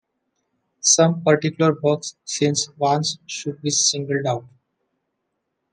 Some particular works since Vance should be singled out.